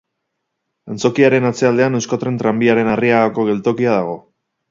Antzokiaren atzealdean Euskotren Tranbiaren Arriagako geltokia dago.